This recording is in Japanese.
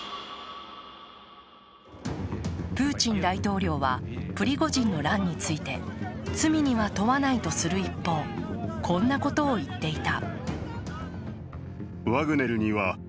プーチン大統領はプリゴジンの乱について罪には問わないとする一方こんなことを言っていた。